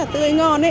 nó rất là tươi ngon